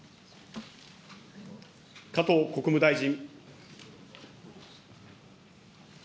加藤国務大臣。